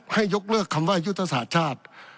ให้ยกเลือกคำว่ายุตสาธิ์ชาติ